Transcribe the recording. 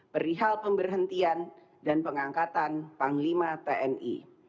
perihal pemberhentian dan pengangkatan panglima tni